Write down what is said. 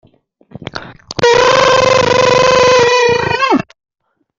Publicó en italiano siete volúmenes de sermones y ensayos teológicos.